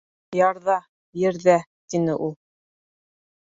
- Ярҙа, ерҙә, - тине ул.